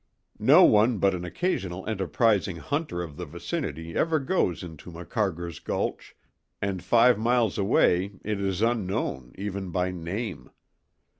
No one but an occasional enterprising hunter of the vicinity ever goes into Macarger's Gulch, and five miles away it is unknown, even by name.